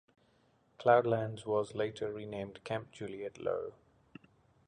Cloudlands was later renamed Camp Juliette Low.